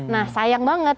nah sayang banget